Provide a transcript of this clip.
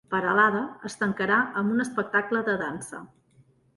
Peralada es tancarà amb un espectacle de dansa